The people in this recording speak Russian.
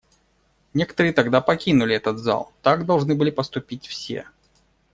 Некоторые тогда покинули этот зал; так должны были поступить все.